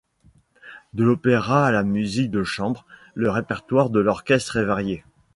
De l'opéra à la musique de chambre, le répertoire de l'orchestre est varié.